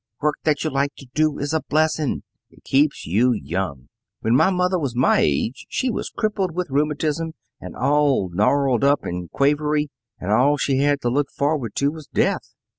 Work that you like to do is a blessing. It keeps you young. When my mother was my age, she was crippled with rheumatism, and all gnarled up, and quavery, and all she had to look forward to was death.